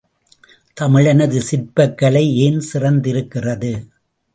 தமிழனது சிற்பக் கலை ஏன் சிறந்திருக்கிறது.